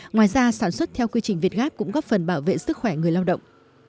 ngoài ra sản xuất theo quy trình việt gáp cũng góp phần bảo vệ sức khỏe người lao động